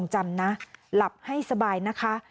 หลับให้สบายนะคะ